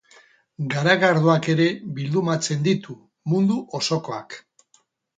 Garagardoak ere bildumatzen ditu, mundu osokoak.